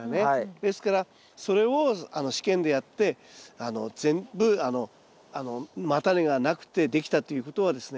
ですからそれを試験でやって全部叉根がなくてできたっていうことはですね